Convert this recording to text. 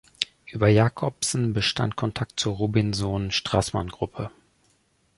Über Jacobsen bestand Kontakt zur Robinsohn-Strassmann-Gruppe.